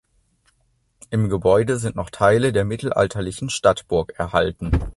Im Gebäude sind noch Teile der mittelalterlichen Stadtburg erhalten.